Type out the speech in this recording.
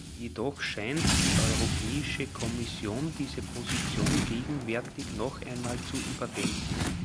Jedoch scheint die Europäische Kommission diese Position gegenwärtig noch einmal zu überdenken.